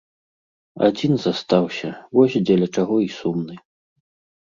Адзін застаўся, вось дзеля чаго і сумны.